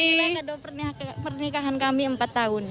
ini pernikahan kami empat tahun